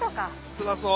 つらそう！